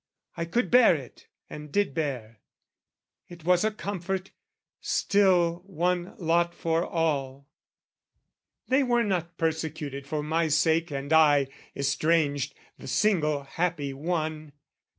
I could bear it and did bear; It was a comfort, still one lot for all: They were not persecuted for my sake And I, estranged, the single happy one.